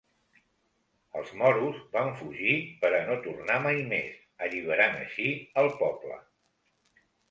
Els Moros van fugir per a no tornar mai més, alliberant així el poble.